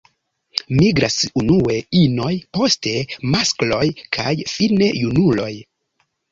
Migras unue inoj, poste maskloj kaj fine junuloj.